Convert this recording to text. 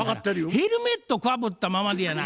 ヘルメットかぶったままでやな